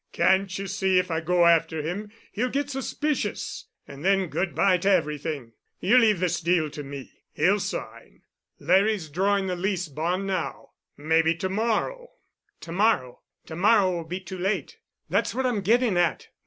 Can't you see if I go after him he'll get suspicious—and then good bye to everything. You leave this deal to me. He'll sign. Larry's drawing the lease and bond now. Maybe to morrow——" "To morrow? To morrow will be too late. That's what I'm gettin' at.